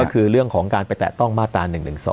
ก็คือเรื่องของการไปแตะต้องมาตรา๑๑๒